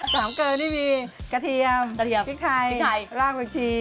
สามเกลือนี่มีกระเทียมพริกไทยรากกักชี